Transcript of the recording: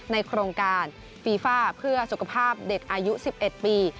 โครงการฟีฟ่าเพื่อสุขภาพเด็กอายุ๑๑ปี